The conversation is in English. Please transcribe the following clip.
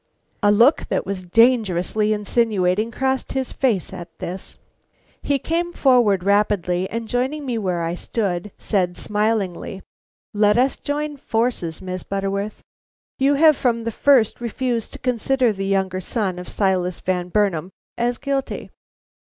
A look that was dangerously insinuating crossed his face at this. He came forward rapidly and, joining me where I stood, said smilingly: "Let us join forces, Miss Butterworth. You have from the first refused to consider the younger son of Silas Van Burnam as guilty.